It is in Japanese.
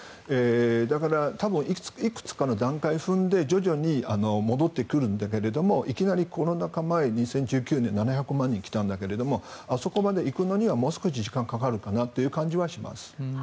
だから、多分いくつかの段階を踏んで徐々に戻ってくるんだけどもいきなりコロナ禍前２０１９年７００万人来たんだけどそこまでに行くのにはもう少し時間がかかるかなという感じはします。